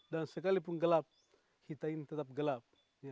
dan sekalipun gelap hitam ini tetap gelap